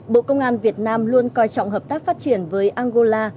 bộ công an việt nam luôn coi trọng hợp tác phát triển với angola